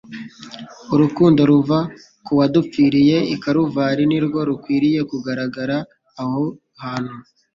Urukundo ruva ku wadupfiriye i Karuvali ni rwo rukwiriye kugaragara aho hantu.